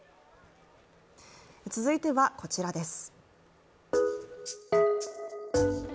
続いては、こちらです。